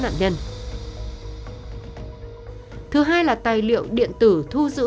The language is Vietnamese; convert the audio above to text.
thế thì bà đúng không